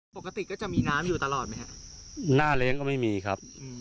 ปกติก็จะมีน้ำอยู่ตลอดไหมฮะหน้าแรงก็ไม่มีครับ